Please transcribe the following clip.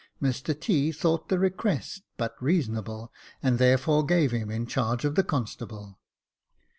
Mr T. thought the request but reasonable and therefore gave him in charge of the constable.